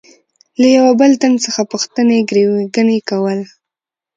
له یوه بل تن څخه پوښتنې ګروېږنې کول.